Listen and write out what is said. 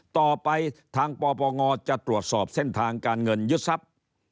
ต่อไปทางปปงจะตรวจสอบเส้นทางการเงินยึดทรัพย์